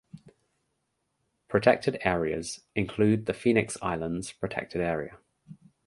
Protected areas include the Phoenix Islands Protected Area.